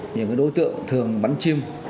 những đối tượng thường bắn chim